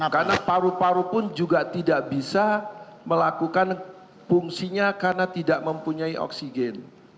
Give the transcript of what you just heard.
karena paru paru pun juga tidak bisa melakukan fungsinya karena tidak mempunyai oksigen